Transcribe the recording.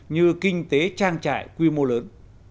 như kinh tế trang trại quy mô lớn